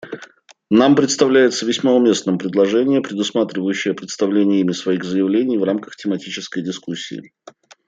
Нам представляется весьма уместным предложение, предусматривающее представление ими своих заявлений в рамках тематической дискуссии.